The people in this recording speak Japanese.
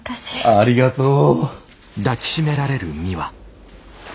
ありがとう。